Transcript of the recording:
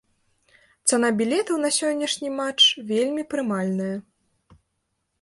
Цана білетаў на сённяшні матч вельмі прымальная.